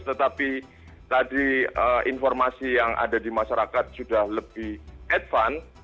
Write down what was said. tetapi tadi informasi yang ada di masyarakat sudah lebih advance